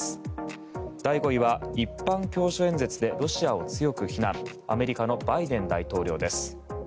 第５位は一般教書演説でロシアを強く非難アメリカのバイデン大統領です。